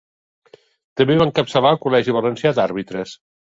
També va encapçalar el col·legi valencià d'àrbitres.